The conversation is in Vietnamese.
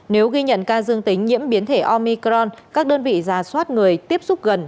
nếu ghi nhận ca dương tính nhiễm biến thể omicron các đơn vị giả soát người tiếp xúc gần